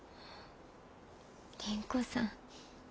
倫子さん。